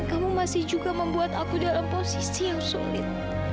kamu masih juga membuat aku dalam posisi yang sulit